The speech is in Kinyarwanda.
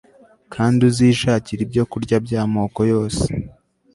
kandi uzishakire ibyokurya by amoko yose